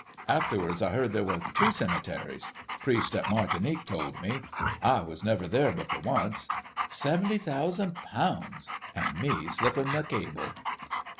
Afterwards I heard there was two cemeteries: priest at Martinique told me. I was never there but the once.... Seventy thousand pounds: an' me slippin' me cable...."